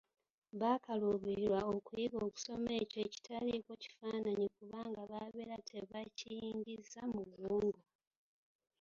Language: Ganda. Bakaluubirirwa okuyiga okusoma ekyo ekitaliiko kifaananyi kubanga babeera tebakiyingiza mu bwongo.